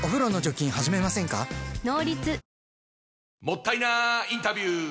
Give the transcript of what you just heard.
もったいなインタビュー！